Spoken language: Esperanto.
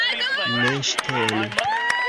Ne ŝtelu.